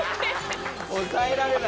抑えられない？